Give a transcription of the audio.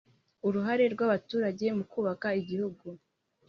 uruhare rw’abaturage mu kubaka igihugu